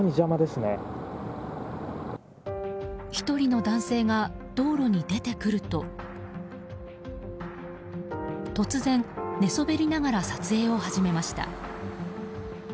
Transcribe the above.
１人の男性が道路に出てくると突然、寝そべりながら撮影を始めました。